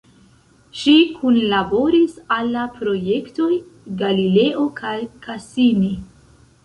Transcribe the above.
Ŝi kunlaboris al la projektoj Galileo kaj Cassini.